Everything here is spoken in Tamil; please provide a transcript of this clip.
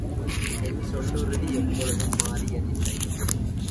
என் சொல்லுறுதி எப்பொழுதும் மாறியதில்லை.